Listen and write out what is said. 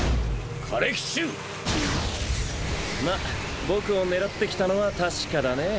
まっ僕を狙ってきたのは確かだね。